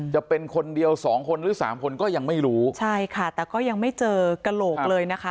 จะเป็นคนเดียวสองคนหรือสามคนก็ยังไม่รู้ใช่ค่ะแต่ก็ยังไม่เจอกระโหลกเลยนะคะ